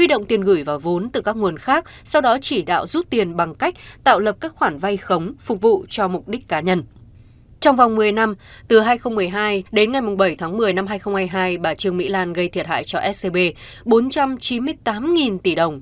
trong vòng một mươi năm từ hai nghìn một mươi hai đến ngày bảy tháng một mươi năm hai nghìn hai mươi hai bà trương mỹ lan gây thiệt hại cho scb bốn trăm chín mươi tám tỷ đồng